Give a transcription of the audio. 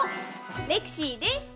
レクシーです！